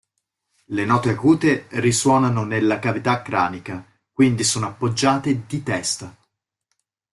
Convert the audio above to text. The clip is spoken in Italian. Le note acute risuonano nella cavità cranica, quindi sono appoggiate "di testa".